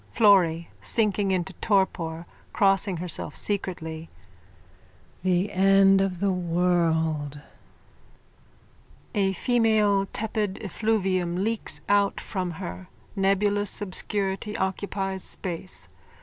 _ FLORRY: (Sinking into torpor, crossing herself secretly.) The end of the world! _(A female tepid effluvium leaks out from her. Nebulous obscurity occupies space.